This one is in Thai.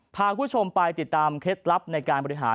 พาคุณผู้ชมไปติดตามเคล็ดลับในการบริหาร